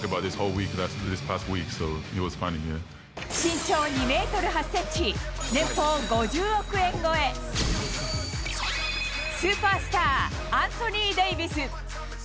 身長２メートル８センチ、年俸５０億円超え、スーパースター、アンソニー・デイビス。